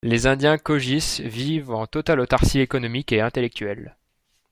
Les Indiens Kogis vivent en totale autarcie économique et intellectuelle.